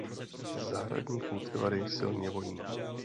Zahradní kultivary silně voní.